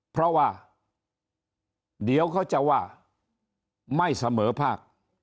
เพราะว่าเดี๋ยวเขาจะว่าไม่เสมอภาค